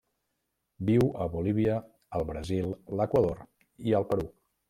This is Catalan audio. Viu a Bolívia, el Brasil, l'Equador i el Perú.